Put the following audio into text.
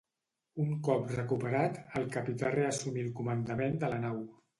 Un cop recuperat, el capità reassumí el comandament de la nau.